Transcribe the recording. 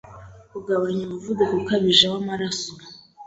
Kugabanya umuvuduko ukabije w’amaraso